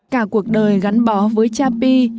cả cuộc đời gắn bó với chapi